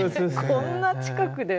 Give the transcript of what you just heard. こんな近くで。